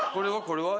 これは？